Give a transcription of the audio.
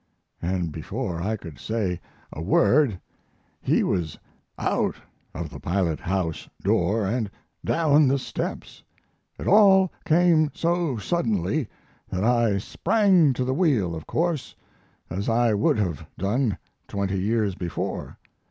And before I could say a word he was out of the pilot house door and down the steps. It all came so suddenly that I sprang to the wheel, of course, as I would have done twenty years before.